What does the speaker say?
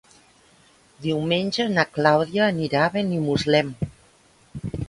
Diumenge na Clàudia anirà a Benimuslem.